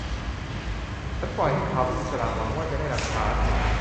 ฉันปล่อยให้เขาเป็นอิสระหวังว่าจะได้หลักฐาน